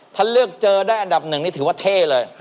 ถ้าเลือกเจอได้อันดับหนึ่งนี่ถือว่าเท่เลย